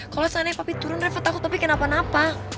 kalau saatnya papi turun reba takut tapi kenapa napa